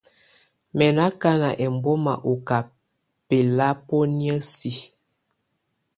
Mɛ̀ nɔ̀ akana ɛmbɔ̀ma ɔ̀ kà bɛlabɔ̀nɛ̀á siǝ.